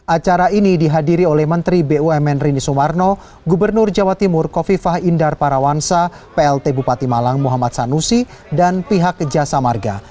acara ini dihadiri oleh menteri bumn rini sumarno gubernur jawa timur kofifah indar parawansa plt bupati malang muhammad sanusi dan pihak jasa marga